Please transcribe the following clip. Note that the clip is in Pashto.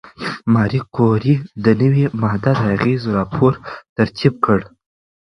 ماري کوري د نوې ماده د اغېزو راپور ترتیب کړ.